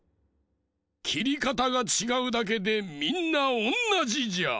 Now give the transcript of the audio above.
きりかたがちがうだけでみんなおんなじじゃ！